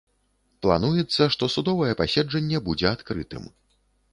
Плануецца, што судовае паседжанне будзе адкрытым.